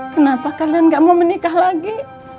kenapa kalian gak mau menikah lagi